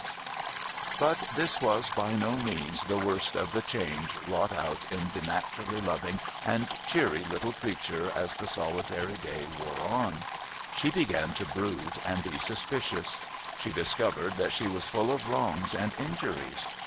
272 TOM TIDDLER'S GROUND But, this was by no means the worst of the change wrought out in the naturally loving and cheery little creature as the solitary day wore on. She began to brood and be suspicious. She discovered that she was full of wrongs and injuries.